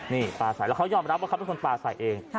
นี่ปลาใส่แล้วเขายอมรับว่าเขาเป็นคนปลาใส่เอง